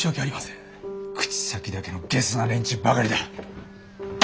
口先だけのゲスな連中ばかりだ。